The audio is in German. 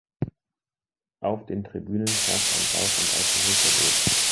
Auf den Tribünen herrscht ein Rauch- und Alkoholverbot.